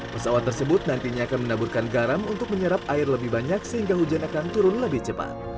pesawat tersebut nantinya akan menaburkan garam untuk menyerap air lebih banyak sehingga hujan akan turun lebih cepat